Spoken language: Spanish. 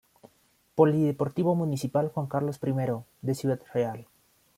Polideportivo Municipal Juan Carlos I, de Ciudad Real.